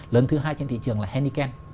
lớn thứ hai trên thị trường là henneken